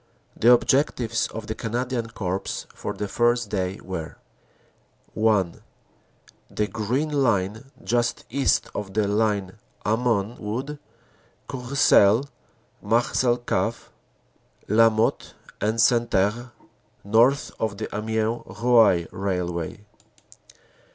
The objectives of the Canadian Corps for the first day were : (1) The Green Line, just east of the line Hamon Wood Courcelles Marcelcave Lamotte en Santerre (north of the Amiens Roye railway).